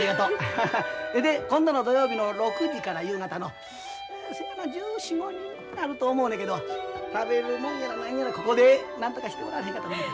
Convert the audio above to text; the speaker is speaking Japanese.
で今度の土曜日の６時から夕方のそやな１４１５人になると思うのやけど食べるもんやら何やらここでなんとかしてもらわれへんかと思て。